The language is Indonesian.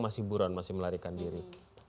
masih buron masih melarikan diri